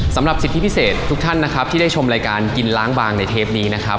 สำหรับสิทธิพิเศษทุกท่านนะครับที่ได้ชมรายการกินล้างบางในเทปนี้นะครับ